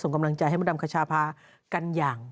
กำลังใจให้มดดำคชาพากันอย่าง